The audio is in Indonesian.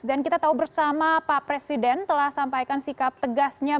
dan kita tahu bersama pak presiden telah sampaikan sikap tegasnya